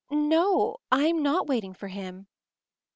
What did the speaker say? No, I’m not waiting for him.